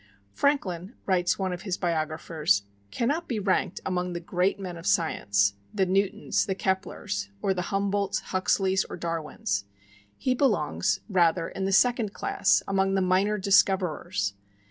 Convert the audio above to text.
"Franklin," writes one of his biographers, "cannot be ranked among the great men of science, the Newtons, the Keplers, or the Humboldts, Huxleys or Darwins. He belongs, rather, in the second class, among the minor discoverers.